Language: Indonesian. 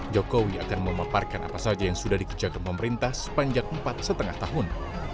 jokowi akan memaparkan apa saja yang sudah dikerjakan pemerintah sepanjang empat lima tahun